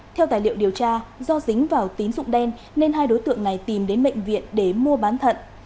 theo tài liệu điều tra do dính vào tín dụng đen nên hai đối tượng này tìm đến bệnh viện để mua bán thận